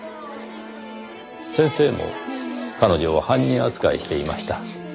先生も彼女を犯人扱いしていました。